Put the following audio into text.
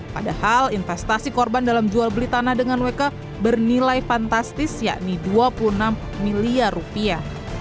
padahal investasi korban dalam jual beli tanah dengan wk bernilai fantastis yakni dua puluh enam miliar rupiah